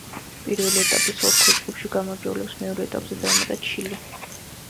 პირველი ეტაპის ორ ქვეჯგუფში გამარჯვებულებს მეორე ეტაპზე დაემატათ ჩილე.